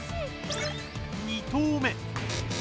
２投目。